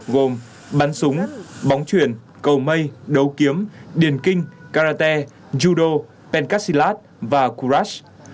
gồm bắn súng bóng chuyển cầu mây đấu kiếm điền kinh karate judo pencastillat và courage